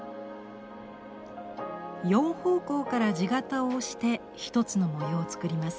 ４方向から地形を押して１つの模様を作ります。